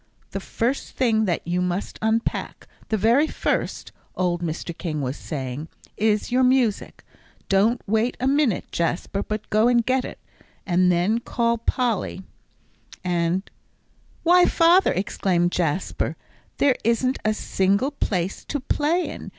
"The first thing that you must unpack the very first," old Mr. King was saying, "is your music. Don't wait a minute, Jasper, but go and get it. And then call Polly, and " "Why, father," exclaimed Jasper, "there isn't a single place to play in.